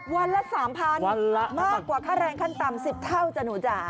วันละ๓๐๐๐มากกว่าค่าแรงขั้นต่ำ๑๐เท่าจ้ะหนูจ๋า